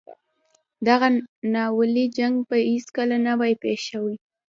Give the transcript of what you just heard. دغه ناولی جنګ به هیڅکله نه وای پېښ شوی.